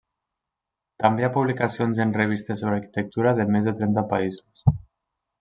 També hi ha publicacions en revistes sobre arquitectura de més de trenta països.